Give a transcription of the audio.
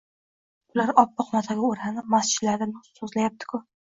Bular oppoq matoga o‘ranib, majlislarda nutq so‘zlayapti-ku.